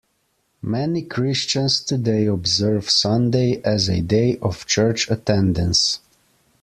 Many Christians today observe Sunday as a day of church-attendance.